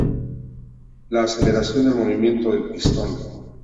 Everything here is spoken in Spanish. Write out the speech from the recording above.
La aceleración del movimiento del pistón.